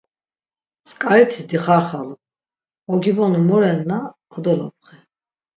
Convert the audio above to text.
Tzǩariti dixarxalu, ogiboni mu renna kodolobği.